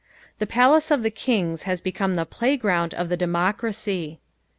The palace of the Kings has become the playground of the democracy.